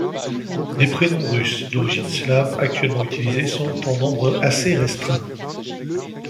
Les prénoms russes d'origine slave actuellement utilisés sont en nombre assez restreint.